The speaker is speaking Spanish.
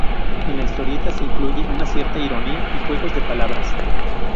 En la historieta se incluye una cierta ironía y juegos de palabras.